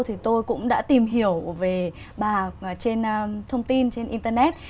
thì tôi cũng đã tìm hiểu về bà trên thông tin trên internet